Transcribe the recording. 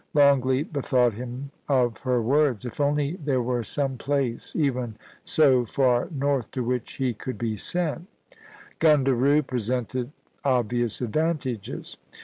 Longleat bethought him of her words :* If only there were some place, ever so far north, to which he could be sent' Gundaroo presented obvious advantages.